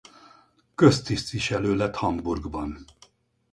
Köztisztviselő lett Hamburgban.